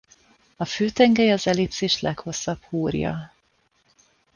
A főtengely az ellipszis leghosszabb húrja.